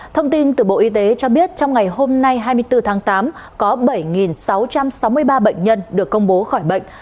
thông tin từ bộ y tế cho biết trong ngày hôm nay hai mươi bốn tháng tám có bảy sáu trăm sáu mươi ba bệnh nhân được công bố khỏi bệnh